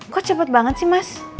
kok cepet banget sih mas